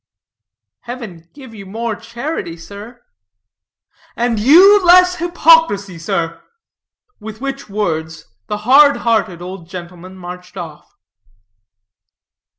"Heaven give you more charity, sir." "And you less hypocrisy, sir." With which words, the hard hearted old gentleman marched off.